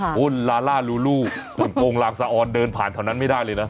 เหมือนลาล่าลูลูเหมือนโกงหลางสะออนเดินผ่านแถวนั้นไม่ได้เลยนะ